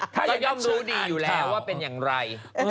ถ้าจะย่อมรู้ดีอยู่แล้วว่าเป็นอย่างไร